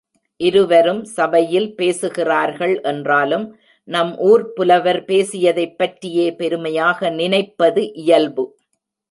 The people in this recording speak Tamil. இருவரும் சபையில் பேசுகிறார்கள் என்றாலும் நம் ஊர்ப் புலவர் பேசியதைப் பற்றியே பெருமையாக நினைப்பது இயல்பு.